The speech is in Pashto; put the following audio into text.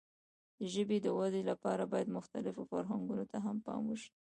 د ژبې د وده لپاره باید مختلفو فرهنګونو ته هم پام وشي.